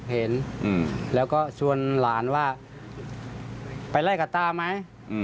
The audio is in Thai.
เห็นแล้วก็ชวนหลานว่าไปไล่กับตาไหม